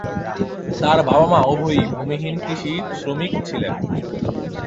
তার বাবা-মা উভয়েই ভূমিহীন কৃষি শ্রমিক ছিলেন।